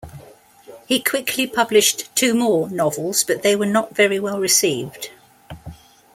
He quickly published two more novels, but they were not very well received.